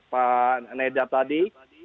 pak nedar tadi